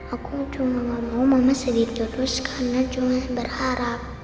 aku cuma ngomong mama sedih terus karena cuma berharap